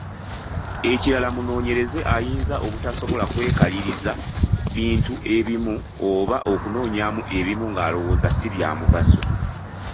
Ekirala, omunoonyereza ayinza obutasobola kwekaliriza bintu ebimu oba okunyoomamu ebimu ng’alowooza ssi bya mugaso.